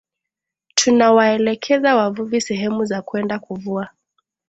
Tunawaelekeza wavuvi sehemu za kwenda kuvua